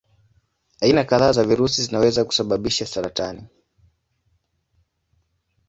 Aina kadhaa za virusi zinaweza kusababisha saratani.